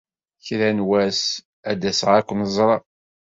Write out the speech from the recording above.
Kra n wass ad d-aseɣ ad ken-ẓreɣ.